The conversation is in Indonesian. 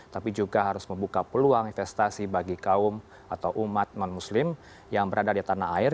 tapi juga harus membuka peluang investasi bagi kaum atau umat non muslim yang berada di tanah air